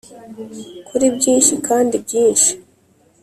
kuri byinshi kandi byinshi